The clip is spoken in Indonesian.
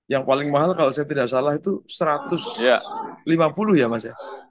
yang paling mahal kalau saya tidak salah itu satu ratus lima puluh ya mas ya